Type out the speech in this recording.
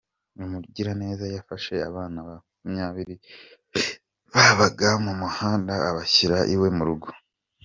Umugiraneza Yafashe abana makumyabiri babaga mu muhanda abashyira iwe mu rugo